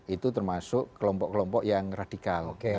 itu termasuk kelompok kelompok yang radikal